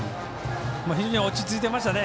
非常に落ち着いてましたね。